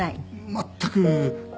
全く。